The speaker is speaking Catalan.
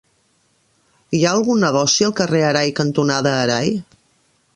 Hi ha algun negoci al carrer Arai cantonada Arai?